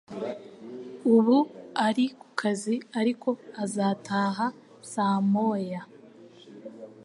Ubu ari kukazi, ariko azataha saa moya.